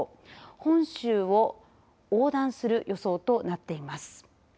本州を横断する予想となっています。